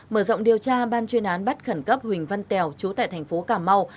mở rộng điều tra ban chuyên án bắt khẩn cấp huỳnh văn tèo chú tại thành phố cà mau